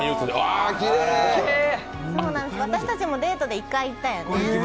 私たちもデートで１回行ったよね。